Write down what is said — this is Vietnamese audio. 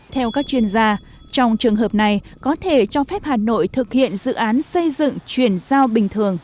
theo các chuyên gia trong trường hợp này có thể cho phép hà nội thực hiện dự án xây dựng chuyển giao bình thường